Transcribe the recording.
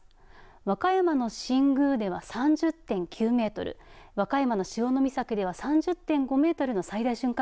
和歌山の新宮では３０．９メートル、和歌山の潮岬ではでは３０．５メートルの最大瞬間